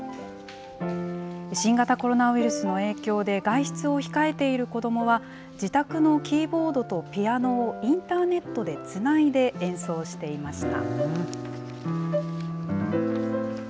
新型コロナウイルスの影響で、外出を控えている子どもは、自宅のキーボードとピアノをインターネットでつないで演奏していました。